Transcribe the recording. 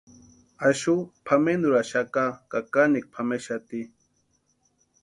Axu pʼamenturhaxaka ka kanikwa pʼamexati.